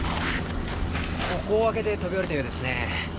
ここを開けて飛び降りたようですね。